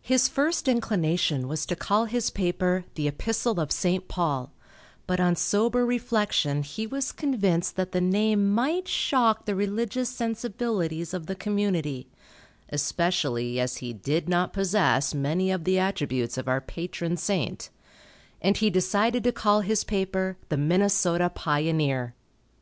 His first inclination was to call his paper the "Epistle of St. Paul," but on sober reflection he was convinced that the name might shock the religious sensibilities of the community, especially as he did not possess many of the attributes of our patron saint, and he decided to call his paper "The Minnesota Pioneer."